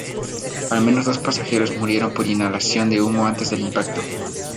Al menos dos pasajeros murieron por inhalación de humo antes del impacto.